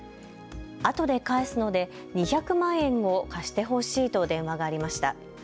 あとで返すので２００万円を貸してほしいと電話がありました。